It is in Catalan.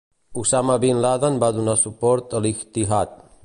Osama Bin Laden va donar suport a l'"ijtihad".